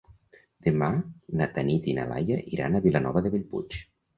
Demà na Tanit i na Laia iran a Vilanova de Bellpuig.